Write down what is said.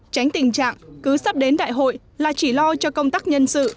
tránh tình trạng cứ sắp đến đại hội là chỉ lo cho công tác nhân sự